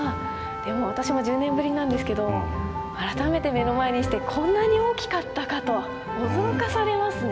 でも私も１０年ぶりなんですけど改めて目の前にしてこんなに大きかったかと驚かされますね。